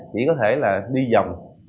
chỉ có thể là đi dòng